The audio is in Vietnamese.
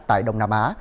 tại đông nam á